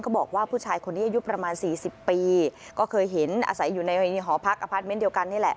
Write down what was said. บอกว่าผู้ชายคนนี้อายุประมาณสี่สิบปีก็เคยเห็นอาศัยอยู่ในหอพักอพาร์ทเมนต์เดียวกันนี่แหละ